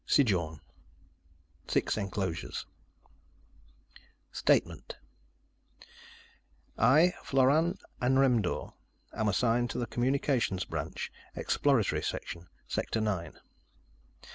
CIJORN 6 enclosures STATEMENT I, Florand Anremdor, am assigned to the Communications Branch, Exploratory Section, Sector Nine.